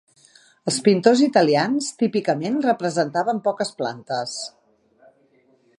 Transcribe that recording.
Els pintors italians típicament representaven poques plantes.